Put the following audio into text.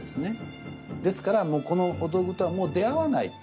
ですからもうこのお道具とはもう出会わない。